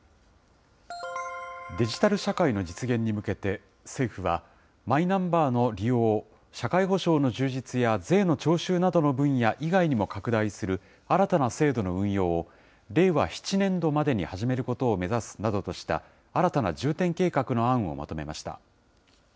デジタル社会の実現に向けて、政府は、マイナンバーの利用を社会保障の充実や税の徴収などの分野以外にも拡大する新たな制度の運用を、令和７年度までに始めることを目指すなどとした新たな重点計画の案をまとめました。